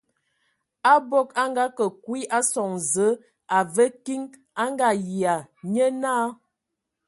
Abog a ngakǝ kwi a sɔŋ Zǝə, a və kiŋ, a Ngayia, nye naa.